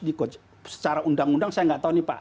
dikocok secara undang undang saya nggak tahu nih pak